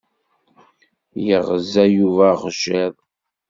Yeɣza Yuba axjiḍ.